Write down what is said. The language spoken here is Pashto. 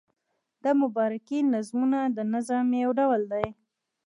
د مبارکۍ نظمونه د نظم یو ډول دﺉ.